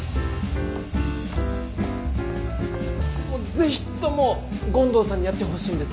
ぜひとも権藤さんにやってほしいんです！